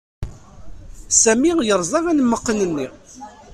Sami yerẓa anmeqqen-nni.